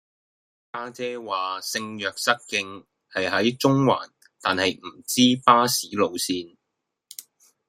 家姐話聖若瑟徑係喺中環但係唔知巴士路線